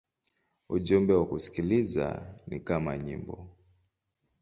Ujumbe wa kusikiliza ni kama nyimbo.